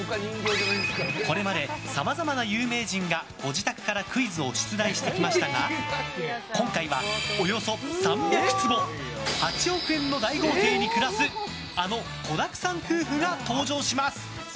これまで、さまざまな有名人がご自宅からクイズを出題してきましたが今回は、およそ３００坪８億円の大豪邸に暮らすあの子だくさん夫婦が登場します。